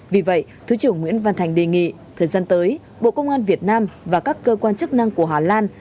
vì vậy thứ trưởng nguyễn văn thành đề nghị thời gian tới bộ công an việt nam và các cơ quan chức năng của hà lan